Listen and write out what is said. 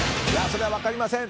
それは分かりません